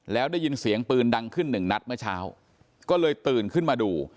แล้วได้ยินเสียงปืนดังขึ้นหนึ่งนัดเมื่อเช้าก็เลยตื่นขึ้นมาดู